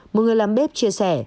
một người làm bếp chia sẻ